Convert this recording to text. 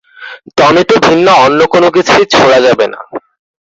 Tomato ভিন্ন অন্য কোন কিছুই ছোড়া যাবে না।